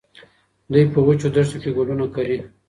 دوی په وچو دښتو کې ګلونه کري.